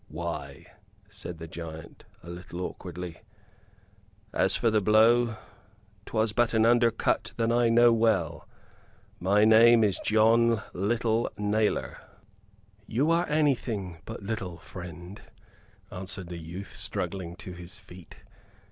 "Why," said the giant, a little awkwardly, "as for the blow, 'twas but an under cut that I know well. My name is John Little Nailor." "You are anything but little, friend," answered the youth, struggling to his feet.